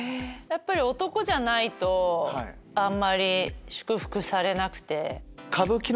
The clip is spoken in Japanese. やっぱり男じゃないとあんまり祝福されなくて。